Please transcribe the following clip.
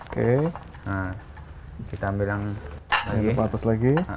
kita ambil yang di atas lagi